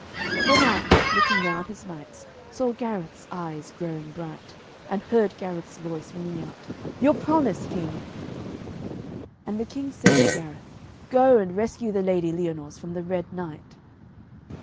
Then Arthur, looking round his knights, saw Gareth's eyes growing bright, and heard Gareth's voice ringing out, 'Your promise, King.' And the King said to Gareth, 'Go and rescue the Lady Lyonors from the Red Knight.'